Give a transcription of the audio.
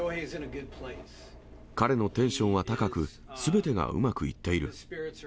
彼のテンションは高く、すべてがうまくいっている。